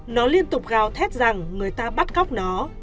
nó liên tục gào thét rằng người ta bắt cóc nó